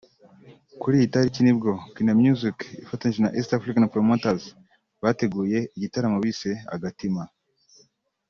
Kuri iyi tariki nibwo Kina Music ifatinyije na East African Promoters bateguye igitaramo bise Agatima